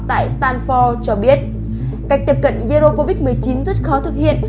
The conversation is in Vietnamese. tại stanford cho biết cách tiếp cận giro covid một mươi chín rất khó thực hiện